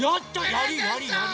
やりやりやり！